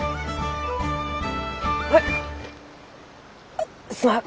あすまん。